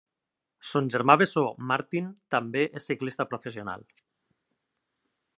Son germà bessó Martin també és ciclista professional.